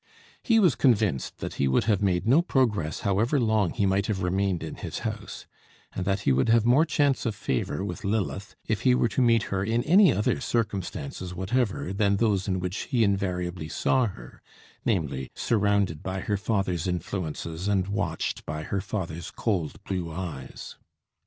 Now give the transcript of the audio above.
He was convinced that he would have made no progress however long he might have remained in his house; and that he would have more chance of favour with Lilith if he were to meet her in any other circumstances whatever than those in which he invariably saw her namely, surrounded by her father's influences, and watched by her father's cold blue eyes.